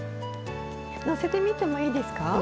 載せてみてもいいですか？